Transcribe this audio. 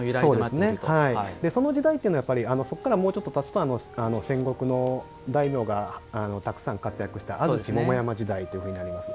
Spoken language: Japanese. その時代っていうのは、そこからもうちょっとたつと戦国の大名がたくさん活躍して安土桃山時代というふうになります。